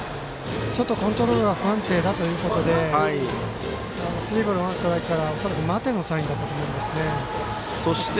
コントロールが不安定だということでスリーボールからワンストライクから恐らく待てのサインだったと思うんですね。